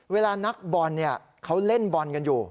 เวลานักบอลเขาเล่นบอลกันอยู่